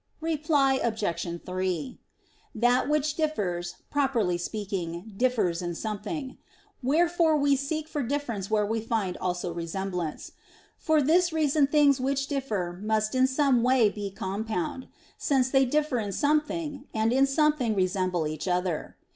Reply Obj. 3: That which differs, properly speaking, differs in something; wherefore we seek for difference where we find also resemblance. For this reason things which differ must in some way be compound; since they differ in something, and in something resemble each other.